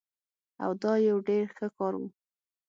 او دا يو ډير ښه کار وو